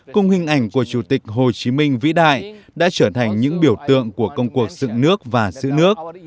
cùng hình ảnh của chủ tịch hồ chí minh vĩ đại đã trở thành những biểu tượng của công cuộc dựng nước và giữ nước